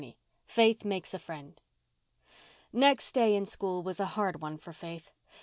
FAITH MAKES A FRIEND Next day in school was a hard one for Faith.